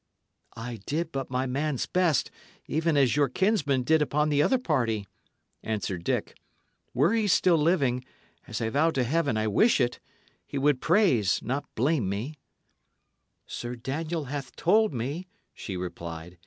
"I did but my man's best, even as your kinsman did upon the other party," answered Dick. "Were he still living as I vow to Heaven I wish it! he would praise, not blame me." "Sir Daniel hath told me," she replied.